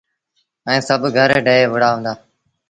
ائيٚݩ سڀ گھر ڊهي وُهرآ هُݩدآ۔